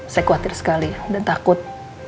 saya khawatir sekali dan takut